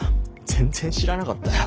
全然知らなかったよ。